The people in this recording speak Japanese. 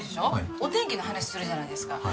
お天気の話するじゃないですか